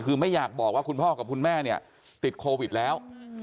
คือไม่อยากบอกว่าคุณพ่อกับคุณแม่เนี่ยติดโควิดแล้ว